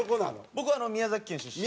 僕は宮崎県出身で。